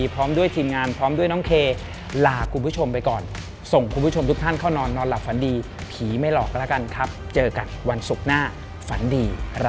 โปรดติดตามตอนต่อไป